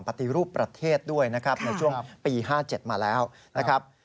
ปฏิรูปประเทศด้วยนะครับในช่วงปี๕๗มาแล้วนะครับ